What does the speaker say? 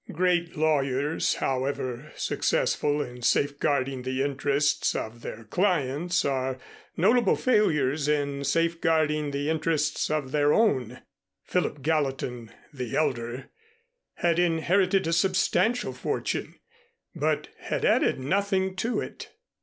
Great lawyers, however successful in safeguarding the interests of their clients, are notable failures in safeguarding the interests of their own. Philip Gallatin, the elder, had inherited a substantial fortune, but had added nothing to it.